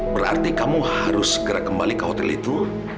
berarti kamu harus segera kembali ke hotel itu